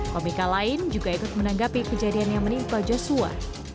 komika lain juga ikut menanggapi kejadian yang menimpa joshua